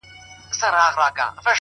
حوصله د وخت ملګرې ده.!